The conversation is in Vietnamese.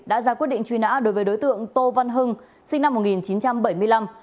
đã ra quyết định truy nã đối với đối tượng tô văn hưng sinh năm một nghìn chín trăm bảy mươi năm